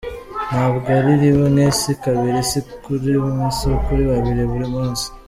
Ntabwo ari rimwe, si kabiri, si kuri umwe si kuri babiri, buri munsi.